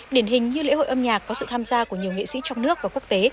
điển hình như lễ hội âm nhạc có sự tham gia của nhiều nghệ sĩ trong nước và quốc tế